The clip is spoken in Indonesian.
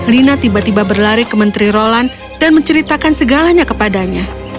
lina tiba tiba berlari ke menteri roland dan menceritakan segalanya kepadanya